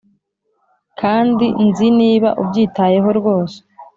kandi nzi niba ubyitayeho rwose